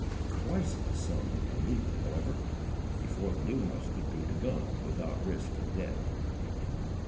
Twice this sum would be needed, however, before the new house could be begun without risk of debt.